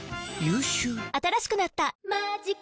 新しくなった「マジカ」